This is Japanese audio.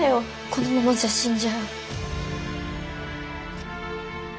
このままじゃ死んじゃう。